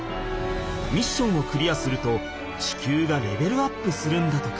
ミッションをクリアすると地球がレベルアップするんだとか。